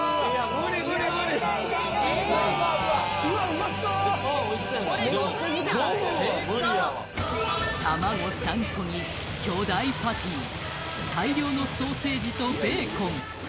５分は無理やわ卵３個に巨大パティ大量のソーセージとベーコン